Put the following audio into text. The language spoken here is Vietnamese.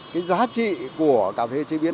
cái giá trị của cà phê chế biến